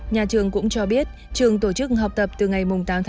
nhà trường cũng cho biết trường tổ chức học tập từ ngày tám tám